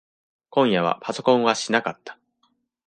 今夜はパソコンはしなかった。